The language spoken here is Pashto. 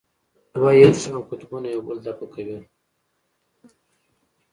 دوه یو شان قطبونه یو بل دفع کوي.